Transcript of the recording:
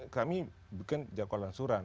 kami bukan jangkau lansuran